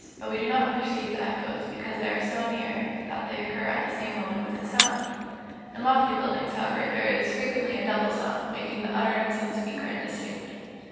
But we do not perceive the echoes, because they are so near that they occur at the same moment with the sound. In lofty buildings, however, there is frequently a double sound, making the utterance of a speaker indistinct.